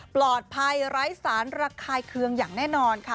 ไร้สารระคายเคืองอย่างแน่นอนค่ะ